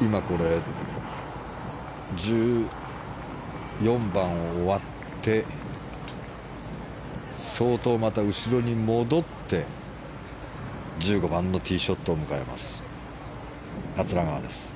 今、１４番が終わって相当また、後ろに戻って１５番のティーショットを迎えます、桂川です。